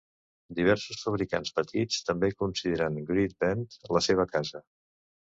Diversos fabricants petits també consideren Great Bend la seva casa.